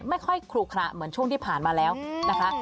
ไม่ค่อยคลุขระเหมือนช่วงที่ผ่านมาแล้วนะคะ